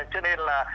cho nên là